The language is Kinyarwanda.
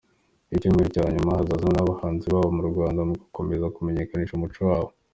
Icyumweru cya nyuma hazaza noneho abahanzi babo mu Rwanda mu gukomeza kumenyekanisha umuco wabo.